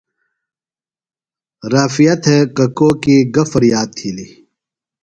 رافعہ تھےۡ ککوکیۡ گہ فریاد تِھیلیۡ؟